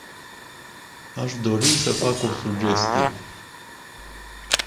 Aș dori să fac o sugestie.